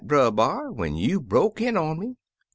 Brer B'ar, when you broke in on me.